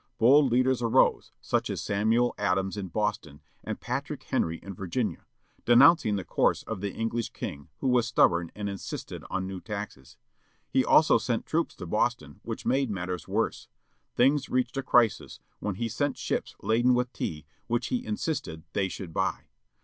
Bold leaders arose, such as Samuel Adams in Boston, and Patrick Henry in Virginia, denoimcing the course of the English king who was stubborn and insisted on new taxes. He also sent troops to Boston, which made matters worse. Things reached a crisis when he sent ships laden with tea, which he insisted they should buy.